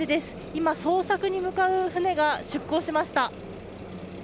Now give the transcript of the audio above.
今、捜索に向かう船が出港しました。